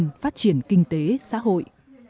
để phát triển kinh tế xã hội